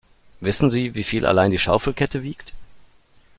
Wissen Sie, wie viel allein die Schaufelkette wiegt?